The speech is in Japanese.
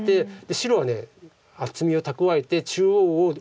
白は厚みを蓄えて中央を大きく。